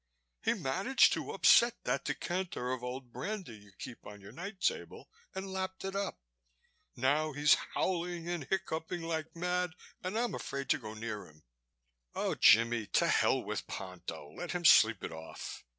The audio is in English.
He managed to upset that decanter of old brandy you keep on your night table and lapped it up. Now he's howling and hiccoughing like mad and I'm afraid to go near him." "Oh, Jimmie, to hell with Ponto. Let him sleep it off.